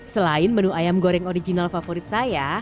selain menu ayam goreng original favorit saya